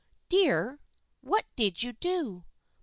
"Dear, what did you do?"